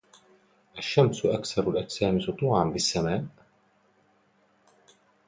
الشمس أكثر الاجسام سطوعاً بالسماء.